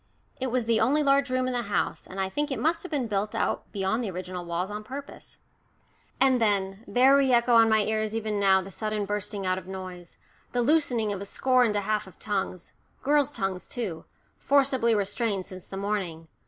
It was the only large room in the house, and I think it must have been built out beyond the original walls on purpose. And then there re echo on my ears even now the sudden bursting out of noise, the loosening of a score and a half of tongues, girls' tongues too, forcibly restrained since the morning.